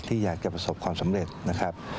ที่อยากจะประสบความสำเร็จนะครับ